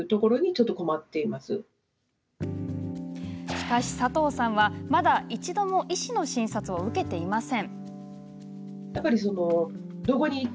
しかし、佐藤さんはまだ一度も医師の診察を受けていません。